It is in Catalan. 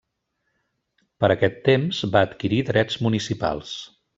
Per aquest temps va adquirir drets municipals.